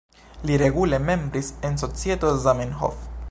Li regule membris en Societo Zamenhof.